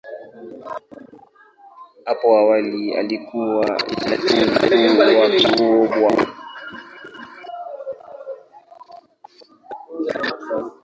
Hapo awali alikuwa Jaji Mkuu, wakati huo Bw.